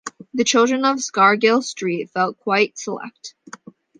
The children of Scargill Street felt quite select.